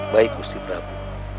baik gusti prabu